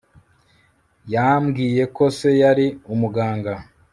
Yambwiye ko se yari umuganga